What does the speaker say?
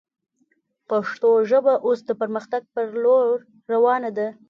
پښتو ژبه اوس د پرمختګ پر لور روانه ده